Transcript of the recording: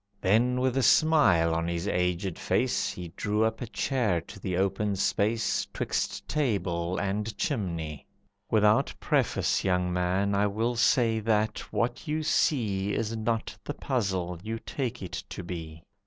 Then, with a smile on his aged face, He drew up a chair to the open space 'Twixt table and chimney. "Without preface, Young man, I will say that what you see Is not the puzzle you take it to be."